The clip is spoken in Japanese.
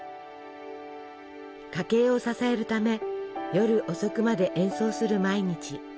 家計を支えるため夜遅くまで演奏する毎日。